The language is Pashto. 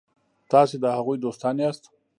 تاسي د هغوی دوستان یاست.